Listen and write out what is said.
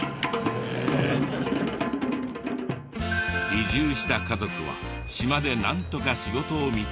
移住した家族は島でなんとか仕事を見つけるか。